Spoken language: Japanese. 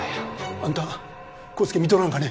あんた康介見とらんかね？